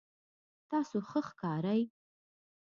تاسو ښه ښکارئ